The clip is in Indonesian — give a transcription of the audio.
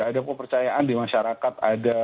ada kepercayaan di masyarakat ada